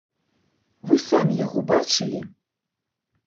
Вы самі яго бачылі?